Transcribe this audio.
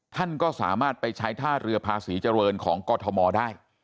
ท่านก็สามารถไปใช้ท่าเรือภาษีเจริญของกรทมได้